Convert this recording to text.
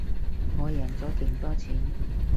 我贏咗勁多錢